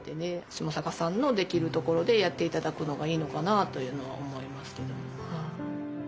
下坂さんのできるところでやって頂くのがいいのかなあというのは思いますけど。